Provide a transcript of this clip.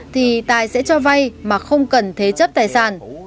thì tài sẽ cho vai mà không cần thế chất tài sản